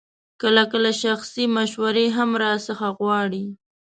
کله کله شخصي مشورې هم راڅخه غواړي.